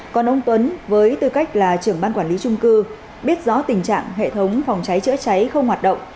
còn ông tuấn với tư cách là trưởng ban quản lý trung cư biết rõ tình trạng hệ thống phòng cháy chữa cháy không hoạt động